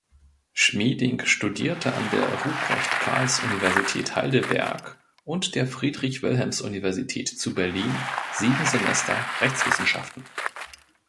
Schmieding studierte an der Ruprecht-Karls-Universität Heidelberg und der Friedrich-Wilhelms-Universität zu Berlin sieben Semester Rechtswissenschaften.